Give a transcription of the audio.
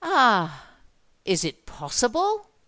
"Ah! is it possible?"